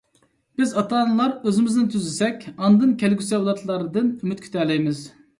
بىز ئاتا-ئانىلار ئۆزىمىزنى تۈزىسەك، ئاندىن كەلگۈسى ئەۋلادلاردىن ئۈمىد كۈتەلەيمىز.